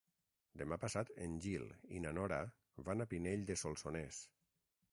Demà passat en Gil i na Nora van a Pinell de Solsonès.